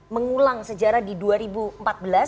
mengulang sejarah di dunia